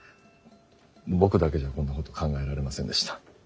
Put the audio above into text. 僕だけじゃこんなこと考えられませんでした。